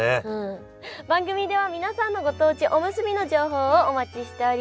番組では皆さんのご当地おむすびの情報をお待ちしております！